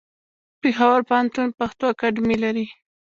پېښور پوهنتون پښتو اکاډمي لري.